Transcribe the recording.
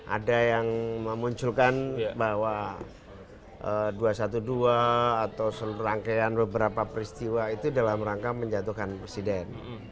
ada yang memunculkan bahwa dua ratus dua belas atau seluruh rangkaian beberapa peristiwa itu dalam rangka menjatuhkan presiden